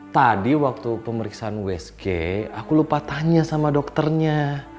tadi waktu pemeriksaan wsg aku lupa tanya sama dokternya